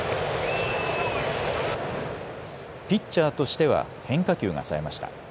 ピッチャーとしては変化球がさえました。